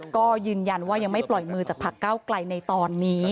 ก็ยืนยันว่ายังไม่ปล่อยมือจากพักเก้าไกลในตอนนี้